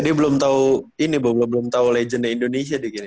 dia belum tau ini belum tau legenda indonesia deh gini